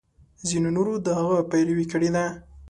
ځینو نورو د هغه پیروي کړې ده.